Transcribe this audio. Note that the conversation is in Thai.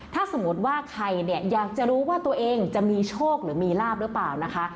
ถ้าสมมุติว่าใครเนี่ยอยากจะรู้ว่าตัวเองจะมีโชคหรือมีลาบหรือเปล่านะคะ